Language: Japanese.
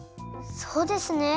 そうですね。